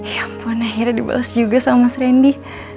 ya ampun akhirnya dibalas juga sama mas randy